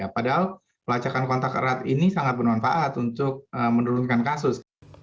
padahal pelacakan kontak erat ini sangat bermanfaat untuk menurunkan kasus